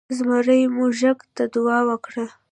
زمري موږک ته دعا وکړه.